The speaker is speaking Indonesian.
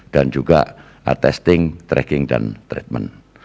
dan juga testing tracking dan treatment